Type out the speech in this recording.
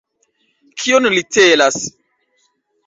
Kion li celas?